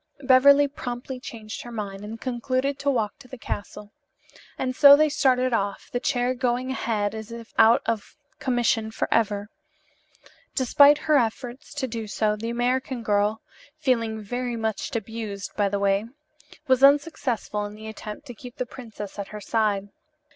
Beverly promptly changed her mind and concluded to walk to the castle. And so they started off, the chair going ahead as if out of commission forever. Despite her efforts to do so, the American girl (feeling very much abused, by the way), was unsuccessful in the attempt to keep the princess at her side.